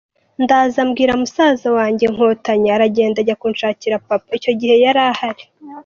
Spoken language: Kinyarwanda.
Ndaza mbwira musaza wanjye Nkotanyi, aragenda ajya kunshakira papa, icyo gihe yari ahari.